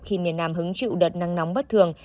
khi miền nam hứng chịu đợt nắng nóng bất thường